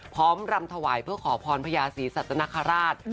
พร้อมรำถวายเพื่อขอพรพญาศีสัตว์นาคาราช